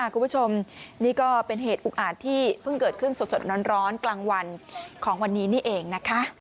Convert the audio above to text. คุณผู้ชมนี่ก็เป็นเหตุอุกอาจที่เพิ่งเกิดขึ้นสดร้อนกลางวันของวันนี้นี่เองนะคะ